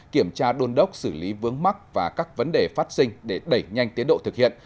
kiểm tra đôn đốc xử lý vướng mắc và các vấn đề phát sinh để đẩy nhanh tiến độ thực hiện